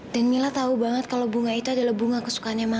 dan mila tau banget kalau bunga itu adalah bunga kesukaannya mama bu